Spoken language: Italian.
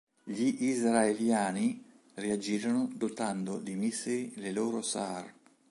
Gli israeliani reagirono dotando di missili le loro Sa'ar.